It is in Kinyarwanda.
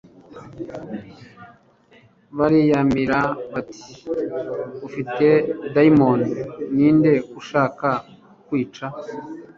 bariyamira bati : «Ufite daimoni. Ninde ushaka kukwica?»